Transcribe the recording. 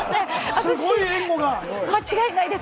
すごい援護が。